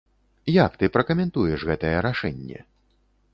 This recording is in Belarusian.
Як ты пракамэнтуеш гэтае рашэнне?